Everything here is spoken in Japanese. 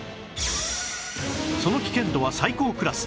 その危険度は最高クラス